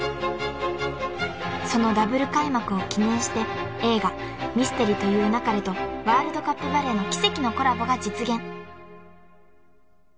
［そのＷ開幕を記念して映画『ミステリと言う勿れ』とワールドカップバレーの奇跡のコラボが実現］